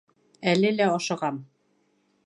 Әле лә ашығам.